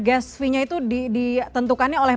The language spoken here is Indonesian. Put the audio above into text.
gas fee nya itu ditentukannya oleh